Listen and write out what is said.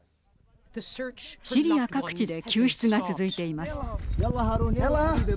シリア各地で救出が続いています。